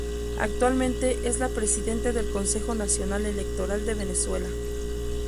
Actualmente es la presidente del Consejo Nacional Electoral de Venezuela.